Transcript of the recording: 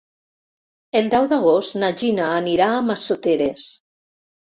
El deu d'agost na Gina anirà a Massoteres.